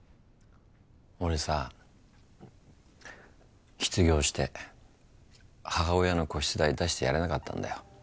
俺さ失業して母親の個室代出してやれなかったんだよ。